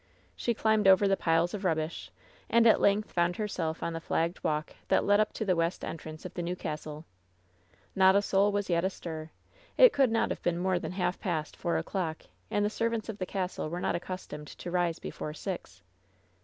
She climbed over the piles of rubbish, and at length J888 LOVE'S BITTEREST CUP found herself on the flagged walk that led up to the west entrance of the new castle. Not a soul was yet astir. It could not have been niore than half past four o'clock, and the servants of the castle were not accustomed to rise before six.